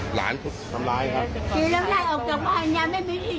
หลานทำร้ายครับ